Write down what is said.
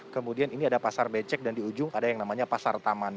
kemudian ini ada pasar becek dan di ujung ada yang namanya pasar taman